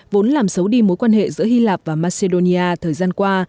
vốn làm xấu đi mối quan hệ giữa hy lạp và macedonia thời gian qua